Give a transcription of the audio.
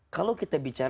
kalau kita bicara